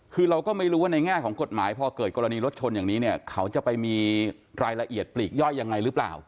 คือเราก็ไม่รู้ว่าในแง่ของกฎหมายพอเกิดกรณีรถชนอย่างนี้เนี่ยเขาจะไปมีรายละเอียดปลีกย่อยยังไงหรือเปล่า